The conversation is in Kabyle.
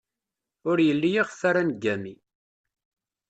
Ur yelli iɣef ara neggami.